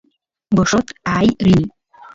gorrot aay rini